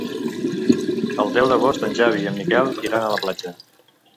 El deu d'agost en Xavi i en Miquel iran a la platja.